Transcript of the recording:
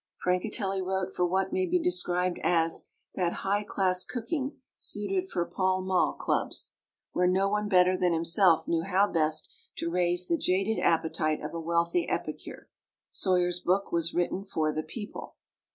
Francatelli wrote for what may be described as that "high class cooking suited for Pall Mall clubs," where no one better than himself knew how best to raise the jaded appetite of a wealthy epicure. Soyer's book was written for the people.